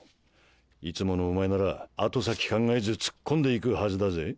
いつものお前なら後先考えず突っ込んで行くはずだぜ。